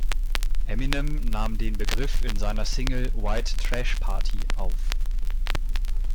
Eminem nahm den Begriff in seiner Single "White Trash Party" auf.